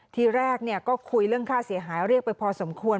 ทีแรกก็คุยเรื่องค่าเสียหายเรียกไปพอสมควร